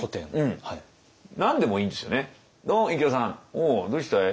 「おうどうした？